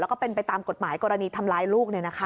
แล้วก็เป็นไปตามกฎหมายกรณีทำร้ายลูก